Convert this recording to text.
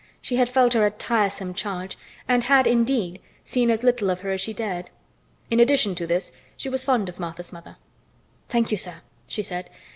She had felt her a tiresome charge and had indeed seen as little of her as she dared. In addition to this she was fond of Martha's mother. "Thank you, sir," she said.